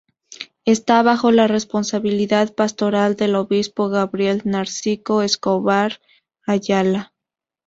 Esta bajo la responsabilidad pastoral del obispo Gabriel Narciso Escobar Ayala.